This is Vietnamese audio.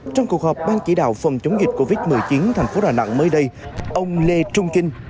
trong cuộc họp ban chỉ đạo phòng chống dịch covid một mươi chín thành phố đà nẵng mới đây ông lê trung kinh